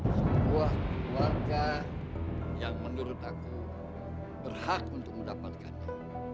sebuah keluarga yang menurut aku berhak untuk mendapatkannya